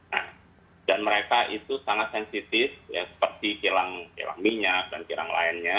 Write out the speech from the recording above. nah dan mereka itu sangat sensitif seperti kilang minyak dan kilang lainnya